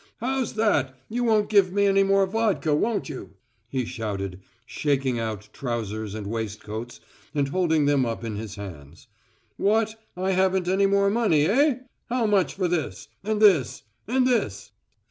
"How's that? You won't give me any more vodka, won't you?" he shouted, shaking out trousers and waistcoats and holding them up in his hands. "What, I haven't any more money, eh? How much for this? and this, and this?"